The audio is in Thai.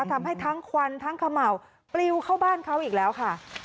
ทำให้ทั้งควันทั้งเขม่าวปลิวเข้าบ้านเขาอีกแล้วค่ะ